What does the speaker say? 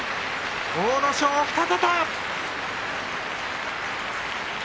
阿武咲２桁。